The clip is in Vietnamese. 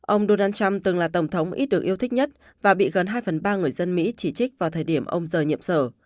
ông donald trump từng là tổng thống ít được yêu thích nhất và bị gần hai phần ba người dân mỹ chỉ trích vào thời điểm ông rời nhiệm sở